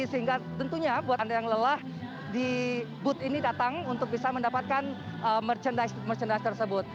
sehingga tentunya buat anda yang lelah di booth ini datang untuk bisa mendapatkan merchandise tersebut